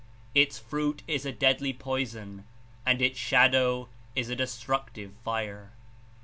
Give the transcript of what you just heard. Its fruit Is a deadly poison and Its shadow is a des tructive fire."